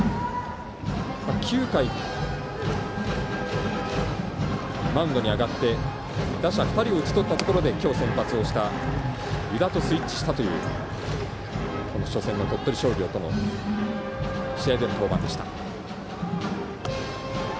９回、マウンドに上がって打者２人を打ち取ったところで今日先発をした湯田とスイッチしたという初戦の鳥取商業との試合での登板でした。